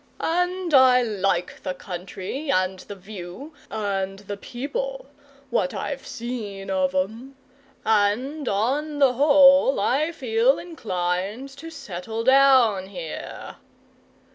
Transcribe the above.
And I like the country, and the view, and the people what I've seen of 'em and on the whole I feel inclined to settle down here."